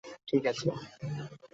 ঠিক আছে'।